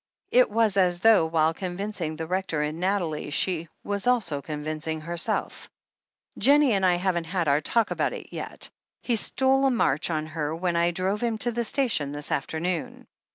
It was as though, while convincing the Rector and Nathalie, she was also convincing herself, "Jennie and I haven't had 4o6 THE HEEL OF ACHILLES our talk about it yet. He stole a march on her when I drove him to the station this afternoon."